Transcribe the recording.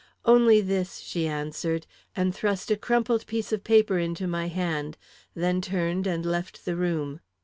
"Only this," she answered, and thrust a crumpled piece of paper into my hand, then turned and left the room.